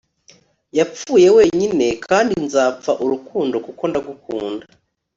Yapfuye wenyine kandi nzapfa urukundo kuko ndagukunda